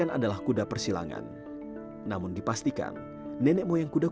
yang akannya mencapai hampir tiga puluh dua ribu ekor